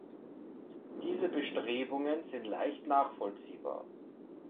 Diese Bestrebungen sind leicht nachvollziehbar.